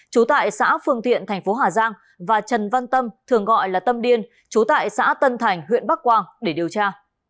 chú tại xã phương thiện tp hà giang và trần văn tâm thường gọi là tâm điên chú tại xã tân thành huyện bắc quang để điều tra